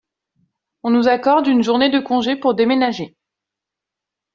On nous accorde une journée de congé pour déménager.